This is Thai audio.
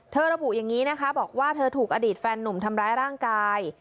ระบุอย่างนี้นะคะบอกว่าเธอถูกอดีตแฟนหนุ่มทำร้ายร่างกาย